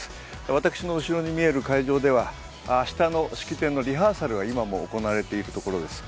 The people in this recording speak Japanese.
私の後ろに見える会場では明日の式典のリハーサルが今も行われているところです。